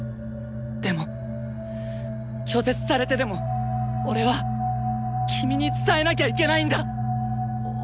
でも拒絶されてでも俺は君に伝えなきゃいけないんだ！